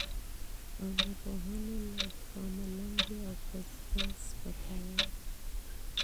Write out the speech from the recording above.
او ناپوهانو له لوري منظم تمسخر، قصدي سپکاوي،